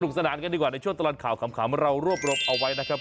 สนานกันดีกว่าในช่วงตลอดข่าวขำเรารวบรวมเอาไว้นะครับ